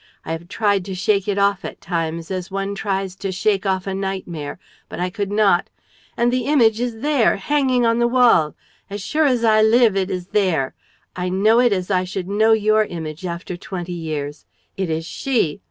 I have tried to shake it off at times, as one tries to shake off a nightmare; but I could not. And the image is there, hanging on the wall. As sure as I live, it is there; I know it as I should know your image after twenty years. It is she